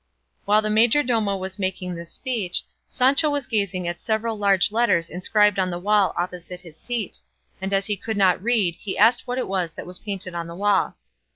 While the majordomo was making this speech Sancho was gazing at several large letters inscribed on the wall opposite his seat, and as he could not read he asked what that was that was painted on the wall.